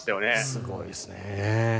すごいですね。